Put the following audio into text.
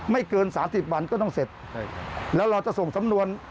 เกินสามสิบวันก็ต้องเสร็จแล้วเราจะส่งสำนวน